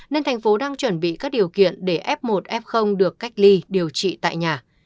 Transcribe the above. nên thành phố đang chuẩn bị các điều kiện để f một f được cách ly điều trị tại nhà